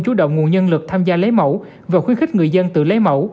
chú động nguồn nhân lực tham gia lấy mẫu và khuyến khích người dân tự lấy mẫu